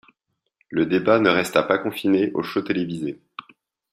Le débat ne resta pas confiné au show télévisé.